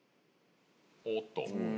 おっと。